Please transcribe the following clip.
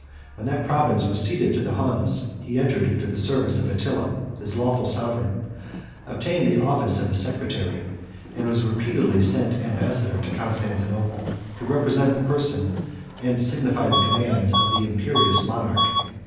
When that province was ceded to the Huns, he entered into the service of Attila, his lawful sovereign, obtained the office of his secretary, and was repeatedly sent ambassador to Constantinople, to represent the person, and signify the commands, of the imperious monarch.